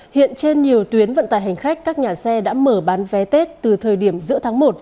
hiện trên nhiều tuyến vận tài hành khách các nhà xe đã mở bán vé tết từ thời điểm giữa tháng một